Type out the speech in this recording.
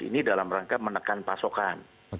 ini dalam rangka menekan pasokan